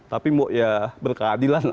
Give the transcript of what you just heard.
tapi ya berkeadilan